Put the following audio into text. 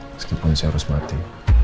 meskipun saya harus mati